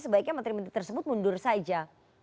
sebaiknya menteri menteri tersebut mundur saja